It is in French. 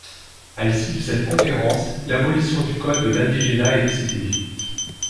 À l'issue de cette conférence, l'abolition du code de l'indigénat est décidée.